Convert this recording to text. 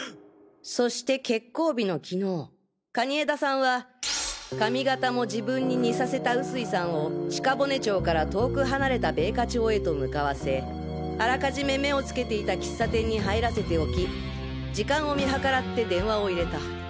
そして決行日の昨日蟹江田さんは髪形も自分に似させた臼井さんを鹿骨町から遠く離れた米花町へと向かわせあらかじめ目を付けていた喫茶店に入らせておき時間を見計らって電話を入れた。